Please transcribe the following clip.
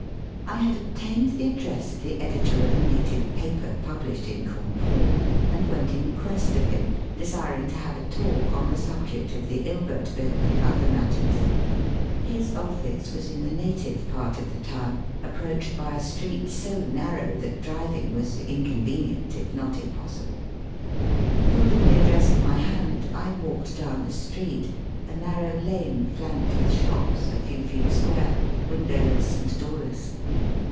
I had obtained the address of the editor of a native paper pubhshed in Cawnpore, and went in quest of him, desiring to have a talk on the subject of the Hbert Bill and other matters. His office was in the native part of the town, approached by a street so narrow that driving was inconvenient, if not impos sible. Holding the address in my hand, I walked down the street, a narrow lane flanked with shops a few feet square, windowless and doorless.